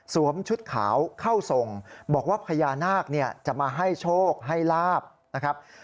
ชุดขาวเข้าทรงบอกว่าพญานาคเนี่ยจะมาให้โชคให้ลาบนะครับ